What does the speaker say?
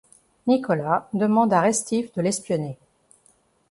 Nicolas demande à Restif de l'espionner.